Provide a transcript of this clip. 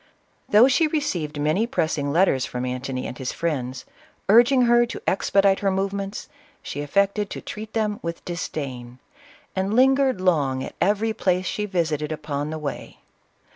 Though she received many pressing letters from Antony and his friends, urging her to expedite her movements, she affected to treat them with disdain, and lingered long at every place she visited upon the way.